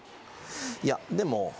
いやでも。